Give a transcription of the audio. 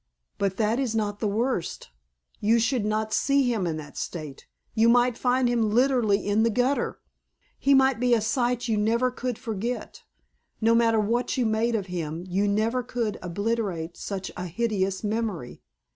"But that is not the worst. You should not see him in that state. You might find him literally in the gutter. He might be a sight you never could forget. No matter what you made of him you never could obliterate such a hideous memory.